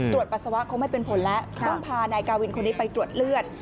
ปัสสาวะคงไม่เป็นผลแล้วต้องพานายกาวินคนนี้ไปตรวจเลือด